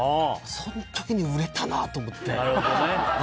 その時に売れたなと思って。